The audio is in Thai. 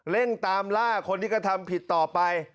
เร่งตามล่าคนที่กระทำผิดต่อไป